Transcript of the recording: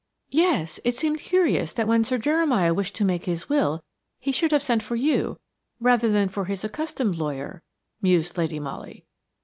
"Yes. It seemed curious that when Sir Jeremiah wished to make his will he should have sent for you, rather than for his accustomed lawyer," mused Lady Molly.